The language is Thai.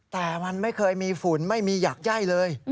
แต่มันไม่เคยมีฝุ่นไม่มีอยากไย่เลย